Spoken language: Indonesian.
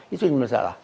itu yang masalah